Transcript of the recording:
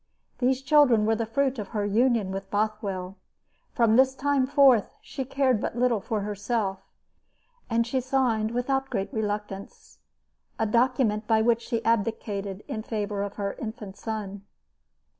These children were the fruit of her union with Bothwell. From this time forth she cared but little for herself, and she signed, without great reluctance, a document by which she abdicated in favor of her infant son.